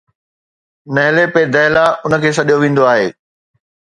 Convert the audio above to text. نهل پي دهلا ان کي سڏيو ويندو آهي.